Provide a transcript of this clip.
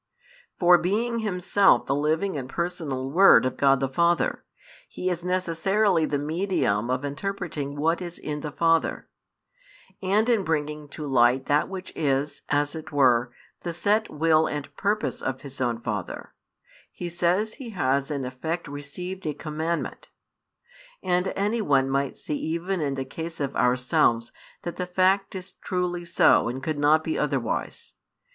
For being Himself the Living and Personal Word of God the Father, He is necessarily the medium of interpreting what is in the Father; and in bringing to light that which is, as it were, the set will and purpose of His own Father, He says He has in effect received a commandment: and any one might see even in the case of ourselves that the fact is truly so and could not be otherwise.